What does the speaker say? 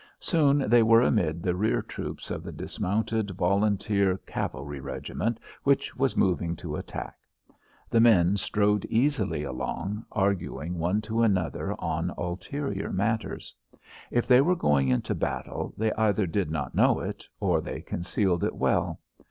Soon they were amid the rear troops of the dismounted volunteer cavalry regiment which was moving to attack. The men strode easily along, arguing one to another on ulterior matters. If they were going into battle, they either did not know it or they concealed it well.